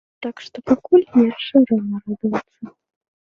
Так што пакуль яшчэ рана радавацца.